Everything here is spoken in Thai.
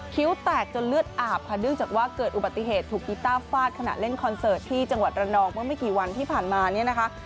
คิ้วแตกจนเลือดอาบค่ะเนื่องจากว่าเกิดอุบัติเหตุถูกกีต้าฟาดขณะเล่นคอนเสิร์ตที่จังหวัดระนองเมื่อไม่กี่วันที่ผ่านมาเนี่ยนะคะ